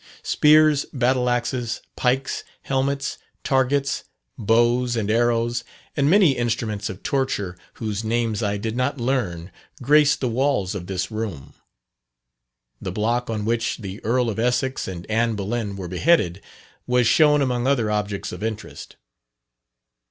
Spears, battle axes, pikes, helmets, targets, bows and arrows, and many instruments of torture, whose names I did not learn, grace the walls of this room. The block on which the Earl of Essex and Anne Boleyn were beheaded, was shown among other objects of interest.